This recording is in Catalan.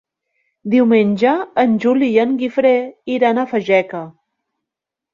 Diumenge en Juli i en Guifré iran a Fageca.